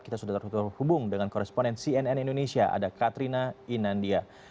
kita sudah terhubung dengan koresponen cnn indonesia ada katrina inandia